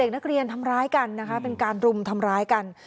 นักเรียนทำร้ายกันนะคะเป็นการรุมทำร้ายกัน